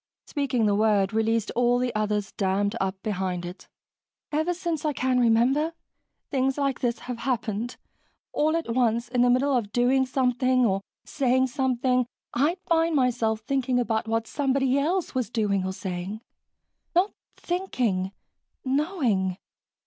Speaking the word released all the others dammed up behind it. "Ever since I can remember, things like this have happened all at once, in the middle of doing something or saying something, I'd find myself thinking about what somebody else was doing or saying. Not thinking knowing.